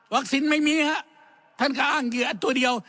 วัคซีนไม่มีฮะท่านก็อ้างอยู่อันตัวเดียว